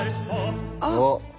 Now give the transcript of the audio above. あっ。